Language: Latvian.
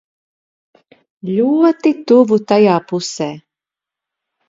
Ļoti tuvu tajā pusē.